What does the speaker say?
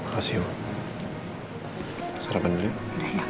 kesian juga rena udah nungguin pastinya